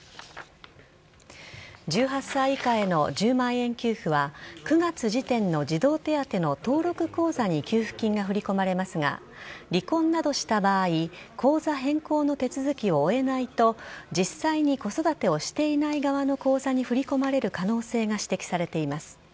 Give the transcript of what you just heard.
１８歳以下への１０万円給付は９月時点の児童手当の登録口座に給付金が振り込まれますが離婚などした場合口座変更の手続きを終えないと実際に子育てをしていない側の口座に振り込まれる可能性が指摘されています。